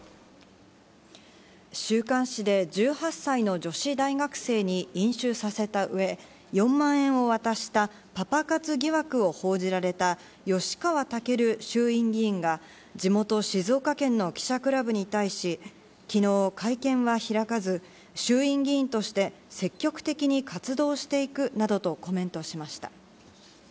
週刊誌で１８歳の女子大学生に飲酒させた上、４万円を渡したパパ活疑惑を報じられた吉川赳衆議院議員が地元静岡県の記者クラブに対し、昨日、会見は開かず衆院議員として積極的に活動していくなどとコメントしました。